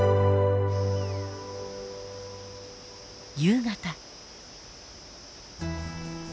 夕方。